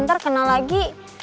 nanti kena lagi